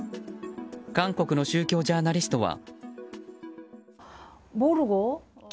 韓国の宗教ジャーナリストは。